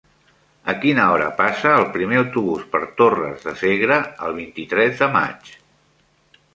A quina hora passa el primer autobús per Torres de Segre el vint-i-tres de maig?